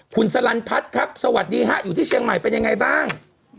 คุณสลันพัฒน์ครับสวัสดีฮะอยู่ที่เชียงใหม่เป็นยังไงบ้าง